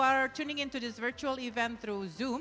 yang mencari pertanyaan secara virtual melalui zoom